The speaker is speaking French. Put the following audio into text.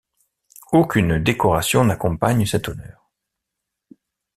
Aucune décoration n'accompagne cet honneur.